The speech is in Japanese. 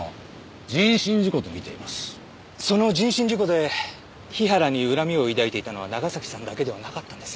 その人身事故で日原に恨みを抱いていたのは長崎さんだけではなかったんですよ。